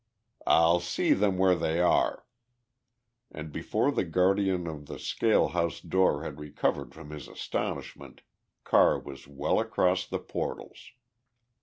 "I'll see them where they are," and before the guardian of the scale house door had recovered from his astonishment Carr was well across the portals.